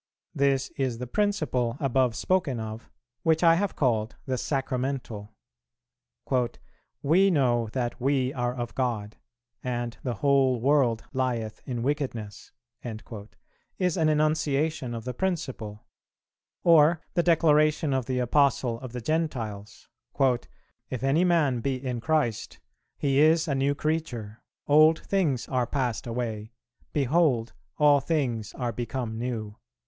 This is the principle, above spoken of, which I have called the Sacramental. "We know that we are of God, and the whole world lieth in wickedness," is an enunciation of the principle; or, the declaration of the Apostle of the Gentiles, "If any man be in Christ, he is a new creature; old things are passed away, behold all things are become new."